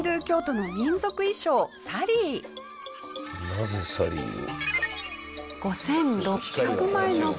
なぜサリーを？